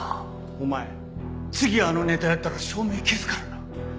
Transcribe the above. お前次あのネタやったら照明消すからな。